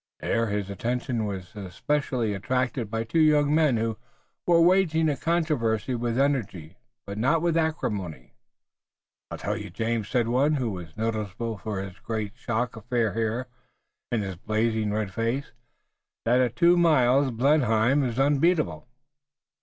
There, his attention was specially attracted by two young men who were waging a controversy with energy, but without acrimony. "I tell you, James," said one, who was noticeable for his great shock of fair hair and his blazing red face, "that at two miles Blenheim is unbeatable."